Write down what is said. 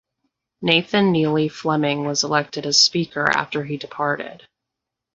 Nathan Neely Fleming was elected as Speaker after he departed.